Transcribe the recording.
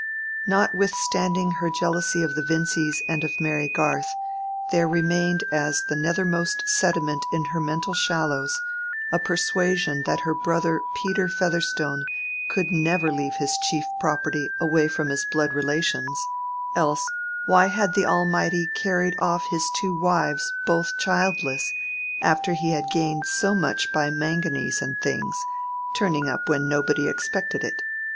Notwithstanding her jealousy of the Vincys and of Mary Garth, there remained as the nethermost sediment in her mental shallows a persuasion that her brother Peter Featherstone could never leave his chief property away from his blood relations:—else, why had the Almighty carried off his two wives both childless, after he had gained so much by manganese and things, turning up when nobody expected it?